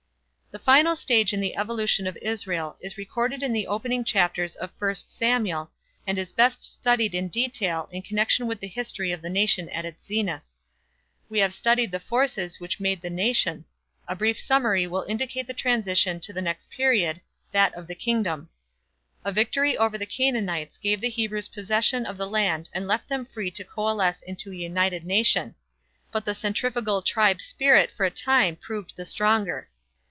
The final stage in the evolution of Israel is recorded in the opening chapters of I Samuel and is best studied in detail in connection with the history of the nation at its zenith. We have studied the forces which made the nation. A brief summary will indicate the transition to the next period, that of the kingdom. The victory over the Canaanites gave the Hebrews possession of the land and left them free to coalesce into a united nation; but the centrifugal tribe spirit for a time proved the stronger.